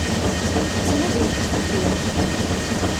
Ttnadint fell-i.